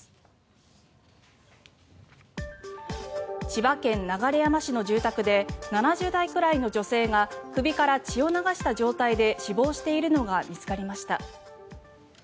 千葉県流山市の住宅で７０代くらいの女性が首から血を流した状態で死亡しているのが見つかりました。